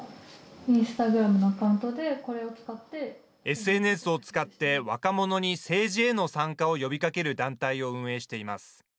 ＳＮＳを使って若者に政治への参加を呼びかける団体を運営しています。